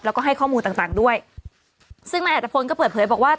แล้วก็ให้ข้อมูลต่างต่างด้วยซึ่งนายอัตภพลก็เปิดเผยบอกว่า